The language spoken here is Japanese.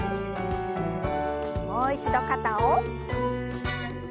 もう一度肩を。